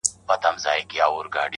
له نیکونو په مېږیانو کي سلطان وو!.